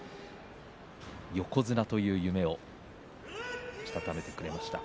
横綱という夢をしたためてくれました。